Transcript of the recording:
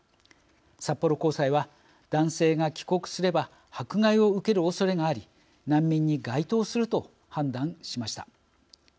札幌高裁は男性が帰国すれば迫害を受けるおそれがあり難民に該当すると判断しました。